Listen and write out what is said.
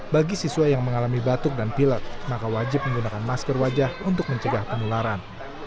bagi siswa yang mengalami batuk dan pilek maka wajib menggunakan masker wajah untuk mencegah penularan